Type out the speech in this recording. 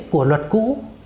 của luật cũ